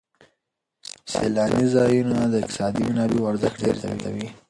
سیلاني ځایونه د اقتصادي منابعو ارزښت ډېر زیاتوي.